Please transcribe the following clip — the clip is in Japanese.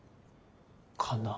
かな？